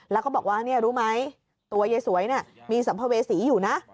แล้วก็บอกว่ารู้ไหมตัวยายสวยมีสัมภเวษีอยู่นะ